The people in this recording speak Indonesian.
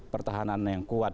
pertahanan yang kuat